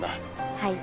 はい。